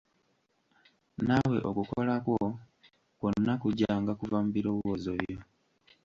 Naawe okukola kwo kwonna kujjanga kuva mu birowoozo byo.